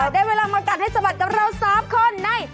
ได้เวลามากัดให้สะบัดกับเรา๓คนใน